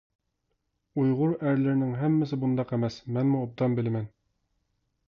ئۇيغۇر ئەرلىرىنىڭ ھەممىسى بۇنداق ئەمەس، مەنمۇ ئوبدان بىلىمەن.